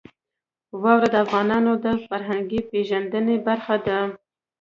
واوره د افغانانو د فرهنګي پیژندنې برخه ده.